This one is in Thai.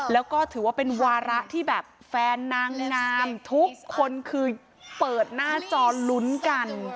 แล้วก็ถือว่าเป็นวาระที่แบบแฟนนางงามทุกคนคือเปิดหน้าจอลุ้นกัน